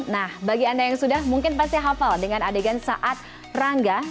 nah bagi anda yang sudah mungkin pasti hafal dengan adegan saat rangga